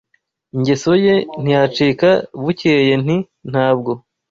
Ingeso ye ntiyacika Bukeye nti: ntabwo